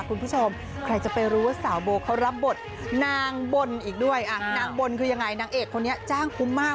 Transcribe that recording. คุณผู้ชมใครจะไปรู้ว่าสาวโบเขารับบทนางบนอีกด้วยอ่ะนางบนคือยังไงนางเอกคนนี้จ้างคุ้มมาก